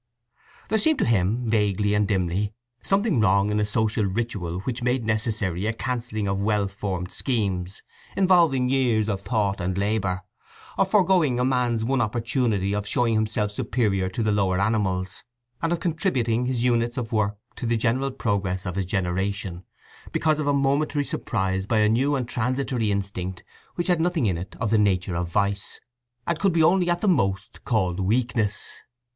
There seemed to him, vaguely and dimly, something wrong in a social ritual which made necessary a cancelling of well formed schemes involving years of thought and labour, of foregoing a man's one opportunity of showing himself superior to the lower animals, and of contributing his units of work to the general progress of his generation, because of a momentary surprise by a new and transitory instinct which had nothing in it of the nature of vice, and could be only at the most called weakness.